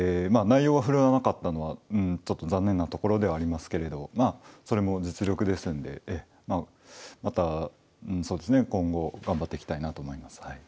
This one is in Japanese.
ちょっと残念なところではありますけれどまあそれも実力ですんでまたそうですね今後頑張っていきたいなと思います。